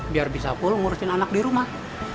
biar bisa full ngurusin anak di rumah